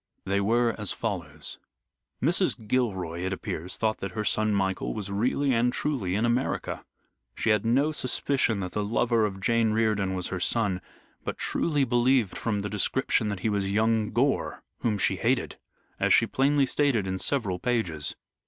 They were as follows: Mrs. Gilroy, it appears, thought that her son, Michael, was really and truly in America. She had no suspicion that the lover of Jane Riordan was her son, but truly believed from the description that he was young Gore whom she hated as she plainly stated in several pages.